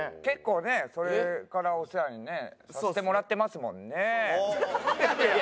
結構ねそれからお世話にねさせてもらってますもんねえ！！